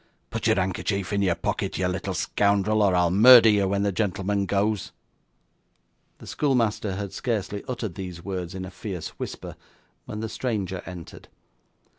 'Put your handkerchief in your pocket, you little scoundrel, or I'll murder you when the gentleman goes.' The schoolmaster had scarcely uttered these words in a fierce whisper, when the stranger entered.